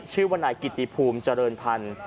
ชื่อว่านายกิติภูมิเจริญพันธ์